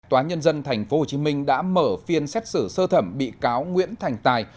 tòa nhân dân tp hcm đã mở phiên xét xử sơ thẩm bị cáo nguyễn thành tài